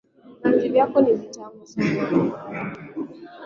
Vibanzi vyako ni vitamu sanaa